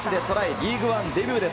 リーグワンのデビューです。